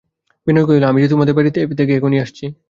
বিনয় কহিল, আমি যে তোমাদের বাড়ি থেকে এখনই আসছি।